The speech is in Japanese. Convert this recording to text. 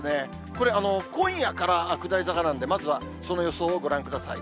これ、今夜から下り坂なんで、まずはその予想をご覧ください。